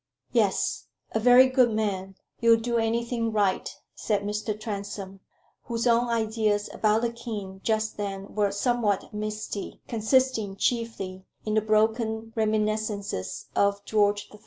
"Yes a very good man he'll do anything right," said Mr. Transome, whose own ideas about the king just then were somewhat misty, consisting chiefly in broken reminiscences of George III.